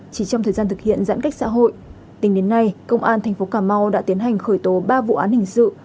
chỉ trong thời gian thực hiện giãn cách xã hội tính đến nay công an tp cà mau đã tiến hành khởi tố ba vụ án hình sự